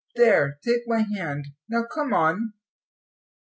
There, take my hand; now come on."